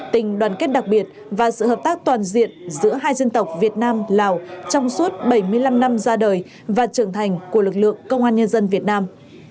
tình đoàn kết đặc biệt và sự hợp tác toàn diện giữa hai dân tộc việt nam lào trong suốt bảy mươi năm năm ra đời và trưởng thành của lực lượng công an nhân dân việt nam